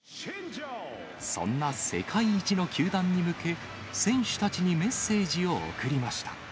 そんな世界一の球団に向け、選手たちにメッセージを送りました。